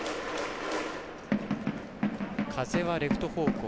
風はレフト方向